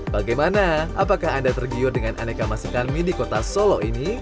bagaimana apakah anda tergiur dengan aneka masakan mie di kota solo ini